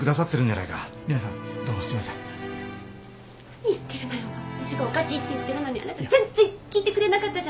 わたしがおかしいって言ってるのにあなた全然聞いてくれなかったじゃない。